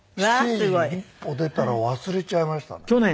ステージに１歩出たら忘れちゃいましたね。